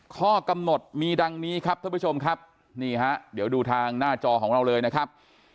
ข้อกำหนดมีดังนี้ครับท่านผู้ชมครับนี่ฮะเดี๋ยวดูทางหน้าจอของเราเลยนะครับ